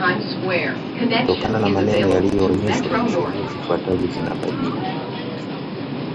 Kutokana na maneno yaliyoonyeshwa sheria zifuatazo zinabainika